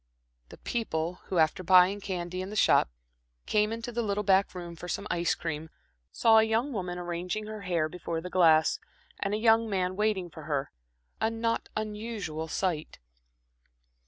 The people who, after buying candy in the shop, came into the little back room for some ice cream, saw a young woman arranging her hair before the glass, and a young man waiting for her a not unusual sight.